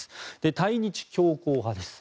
対日強硬派です。